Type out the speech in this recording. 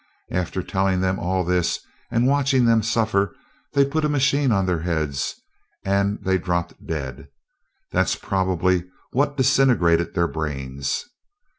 After telling them all this and watching them suffer, they put a machine on their heads and they dropped dead. That's probably what disintegrated their brains.